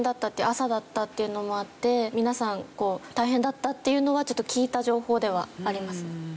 朝だったっていうのもあって皆さん大変だったっていうのは聞いた情報ではありますね。